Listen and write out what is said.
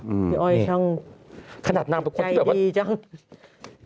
พี่อ้อยช่างใจดีจัง